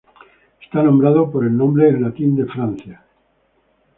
Está nombrado por el nombre en latín de Francia.